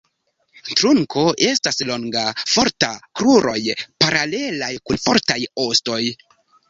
Trunko estas longa, forta; kruroj paralelaj kun fortaj ostoj.